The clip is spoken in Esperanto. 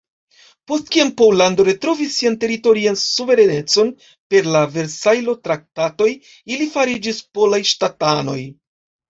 Post kiam Pollando retrovis sian teritorian suverenecon per la Versajlo-traktatoj, ili fariĝis polaj ŝtatanoj.